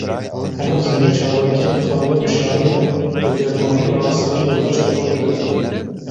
Hemû zîndeçalakiyên xane û şaneyan, di germahiya asayî ya laş de rû didin.